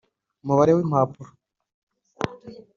umubare w impapuro